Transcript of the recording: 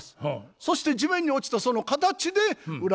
そして地面に落ちたその形で占います。